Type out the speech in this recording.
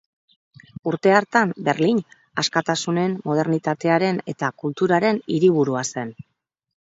Urte hartan, Berlin askatasunen, modernitatearen eta kulturaren hiriburua zen.